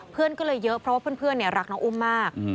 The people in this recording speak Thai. เพื่อนก็เลยเยอะเพราะว่าเพื่อนรักน้องอุ้มมาก